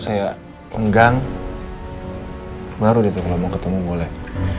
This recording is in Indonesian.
saya menggang baru ditutup mau ketemu boleh